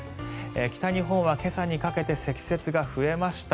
北日本は今朝にかけて積雪が増えました。